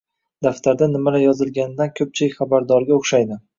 Daftarda nimalar yozilganidan ko`pchilik xabardorga o`xshaydi